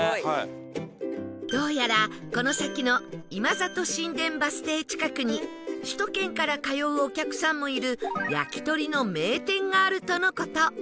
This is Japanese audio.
どうやらこの先の今里新田バス停近くに首都圏から通うお客さんもいる焼き鳥の名店があるとの事